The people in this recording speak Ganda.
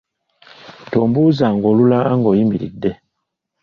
Tombuuzanga olulala ng’oyimiridde.